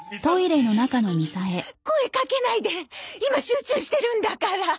声かけないで今集中してるんだから。